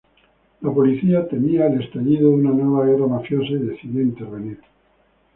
La policía temía el estallido de una nueva guerra mafiosa y decidió intervenir.